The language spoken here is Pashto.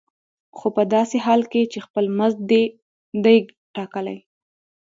خو په داسې حال کې چې خپل مزد دې دی ټاکلی.